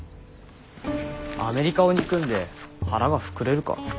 アメリカを憎んで腹が膨れるか？